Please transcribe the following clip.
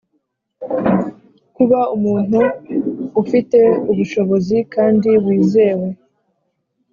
kuba umuntu ufite ubushobozi kandi wizewe